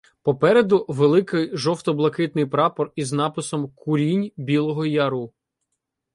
Попереду — великий жовто- блакитний прапор із написом "Курінь Білого яру".